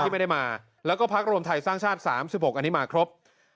ไม่ได้มาแล้วก็พักรวมไทยสร้างชาติ๓๖อันนี้มาครบ